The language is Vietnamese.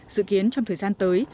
dự kiến trong thời gian tới